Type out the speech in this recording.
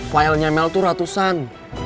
filenya mel tuh ratusan